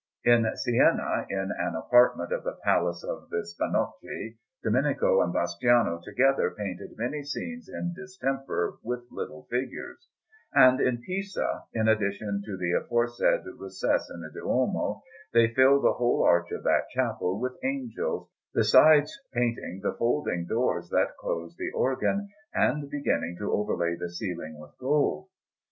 In Siena, in an apartment of the Palace of the Spannocchi, Domenico and Bastiano together painted many scenes in distemper, with little figures; and in Pisa, in addition to the aforesaid recess in the Duomo, they filled the whole arch of that chapel with angels, besides painting the folding doors that close the organ, and beginning to overlay the ceiling with gold.